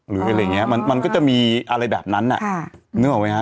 หรืออะไรอย่างเงี้ยมันมันก็จะมีอะไรแบบนั้นอ่ะค่ะนึกออกไหมฮะ